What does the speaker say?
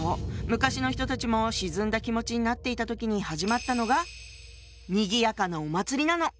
昔の人たちも沈んだ気持ちになっていた時に始まったのがにぎやかなお祭りなの！